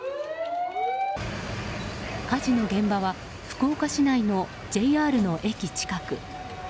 火事の現場は福岡市内のＪＲの駅近く。